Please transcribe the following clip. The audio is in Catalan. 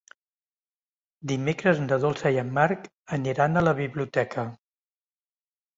Dimecres na Dolça i en Marc aniran a la biblioteca.